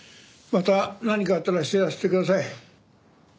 また何かあったら知らせてください。